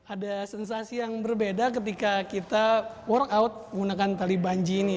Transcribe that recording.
ada sensasi yang berbeda ketika kita workout menggunakan tali banji ini